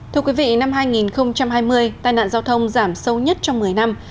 thưa quý vị năm hai nghìn hai mươi tai nạn giao thông giảm sâu nhất trong một mươi năm